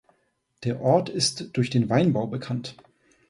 Der Ort ist durch den Weinbau bekannt.